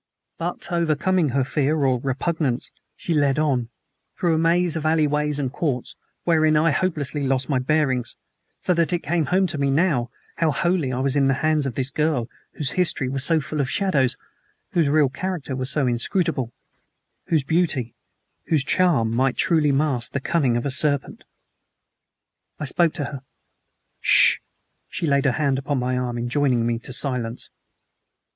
But, overcoming her fear or repugnance, she led on, through a maze of alleyways and courts, wherein I hopelessly lost my bearings, so that it came home to me how wholly I was in the hands of this girl whose history was so full of shadows, whose real character was so inscrutable, whose beauty, whose charm truly might mask the cunning of a serpent. I spoke to her. "S SH!" She laid her hand upon my arm, enjoining me to silence.